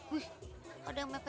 uh ada yang mepet mepet